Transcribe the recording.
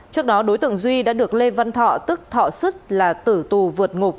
trước đó đối tượng duy đã được lê văn thọ tức thọ sức là tử tù vượt ngục